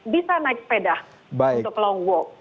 bisa naik sepeda untuk long walk